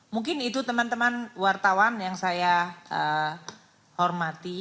mungkin itu teman teman wartawan yang saya hormati